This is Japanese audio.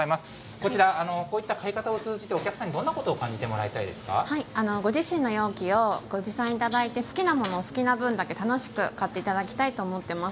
こちら、こういった買い方を通じて、お客さんにどんなことを感じご自身の容器をご持参いただいて、好きなものを好きな分だけ、楽しく買っていただきたいと思ってます。